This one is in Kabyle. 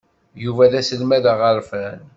Yuba d aselmad aɣerfan.